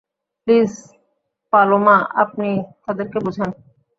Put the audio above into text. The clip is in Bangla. প্লিজ পালোমা, আপনি তাদেরকে বুঝান।